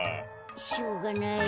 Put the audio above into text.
しょうがない。